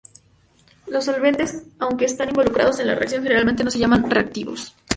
Los "solventes", aunque están involucrados en la reacción, generalmente no se llaman reactivos.